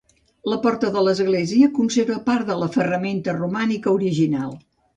La porta de l'església conserva part de la ferramenta romànica original.